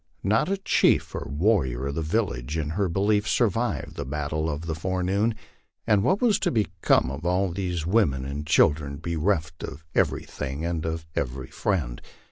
Not a chief or warrior of the village in her belief survived the battle of the forenoon. And what was to become of all these women and children, be reft of everything and of every friend?